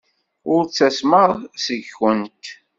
Ur ttasmeɣ seg-went.